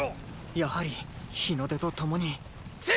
やはり日の出とともにっ！